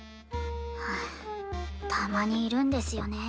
はぁたまにいるんですよね。